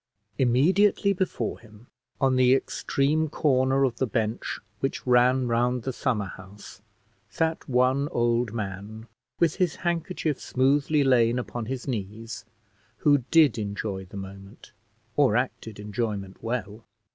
Immediately before him, on the extreme corner of the bench which ran round the summer house, sat one old man, with his handkerchief smoothly lain upon his knees, who did enjoy the moment, or acted enjoyment well.